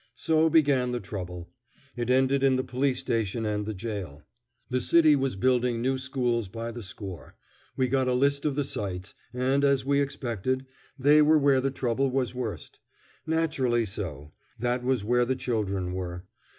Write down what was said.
So began the trouble. It ended in the police station and the jail. The city was building new schools by the score. We got a list of the sites, and as we expected, they were where the trouble was worst. Naturally so; that was where the children were.